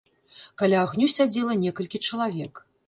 Каля агню сядзела некалькі чалавек.